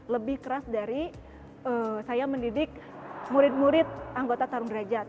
lebih keras dari saya mendidik murid murid anggota tarung derajat